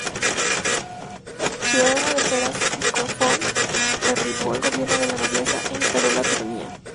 Ciudadano de Feras, Licofrón derribó el gobierno de la nobleza e instauró la tiranía.